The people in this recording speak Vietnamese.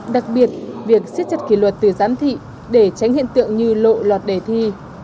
đặc biệt việc siết chặt kỷ luật từ giám thị để tránh hiện tượng như lộ lọt đề thi